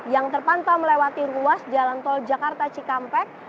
yang terpantau melewati ruas jalan tol jakarta cikampek